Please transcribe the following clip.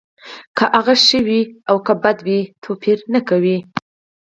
که هغه ښه وي او که بد وي توپیر نه کوي